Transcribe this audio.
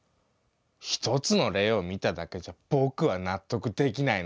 一つの例を見ただけじゃぼくは納得できないね。